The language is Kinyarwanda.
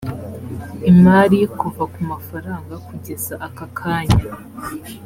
imari kuva ku mafaranga kugeza akakanya